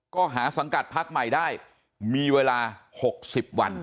ก็หาสังกัดพักใหม่ได้มีเวลา๖๐วัน